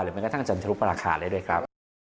หรือแม้กระทั่งจันทรุปราคาเรื่อยครับ